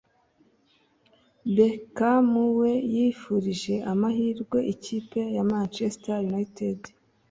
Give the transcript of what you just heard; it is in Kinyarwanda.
Beckham we yifurije amahirwe ikipe ya Manchester United